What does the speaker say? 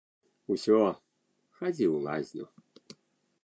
Усё, хадзі ў лазню.